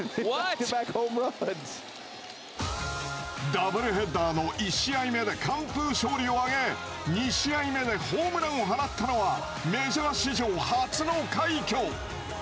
ダブルヘッダーの１試合目で完封勝利を挙げ、２試合目でホームランを放ったのはメジャー史上初の快挙。